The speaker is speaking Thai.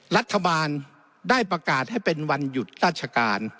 รัฐบาลได้ประกาศให้เป็นวันหยุดราชการ